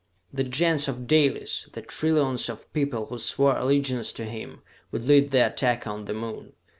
The Gens of Dalis the trillions of people who swore allegiance to him would lead the attack on the Moon.